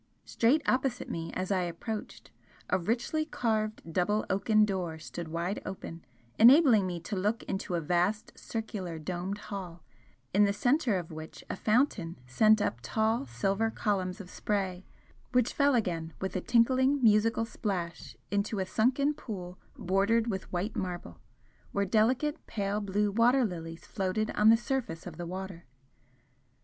Straight opposite me as I approached, a richly carved double oaken door stood wide open, enabling me to look into a vast circular domed hall, in the centre of which a fountain sent up tall silver columns of spray which fell again with a tinkling musical splash into a sunken pool bordered with white marble, where delicate pale blue water lilies floated on the surface of the water.